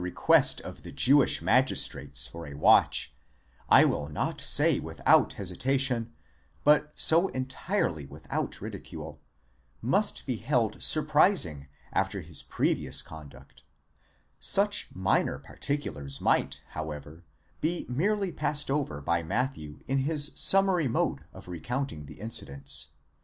707 quest of the Jewish magistrates for a watch, I will not say without hesitation, but so entirely without ridicule, must be held surprising after his previous conduct ;® such minor particulars might however be merely passed over by Matthew in his summary mode of. recounting the incidents.